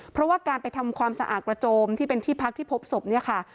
เพราะว่าการไปทำความสะอาดกระโจมที่เป็นที่พักที่พบศพเนี่ยค่ะ